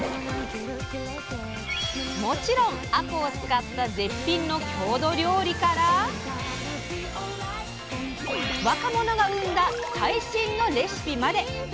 もちろんあこうを使った絶品の郷土料理から若者が生んだ最新のレシピまで！